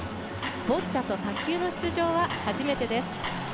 ボッチャと卓球の出場は初めてです。